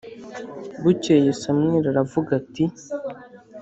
Bukeye Samweli aravuga ati